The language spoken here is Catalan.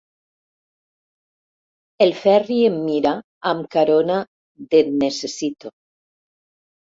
El Ferri em mira amb carona d'et-necessito.